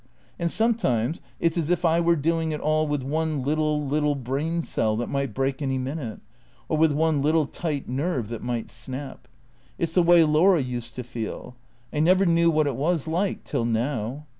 And sometimes it 's as if I were doing it all with one little, little brain cell that might break any minute; or with one little tight nerve that might snap. It 's the way Laura used to feel. I never knew what it was like till now.